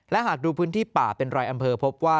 และหากดูพื้นที่ป่าเป็นรายอำเภอพบว่า